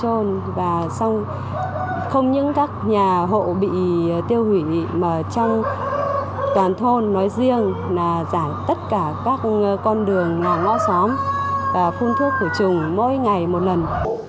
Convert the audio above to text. thì từ nhà ra đến tận hồ chôn và không những các nhà hộ bị tiêu hủy mà trong toàn thôn nói riêng là giải tất cả các con đường ngõ xóm phun thuốc khởi trùng mỗi ngày một lần